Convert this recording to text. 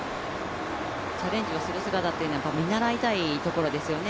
チャレンジする姿というのは見習いたいところですね。